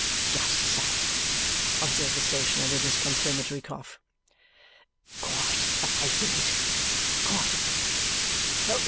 "Just so," observes the stationer with his confirmatory cough. "Quite a fate in it. Quite a fate.